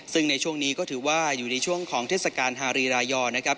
ซึ่งในช่วงนี้ก็ถือว่าอยู่ในช่วงของเทศกาลฮารีรายอร์นะครับ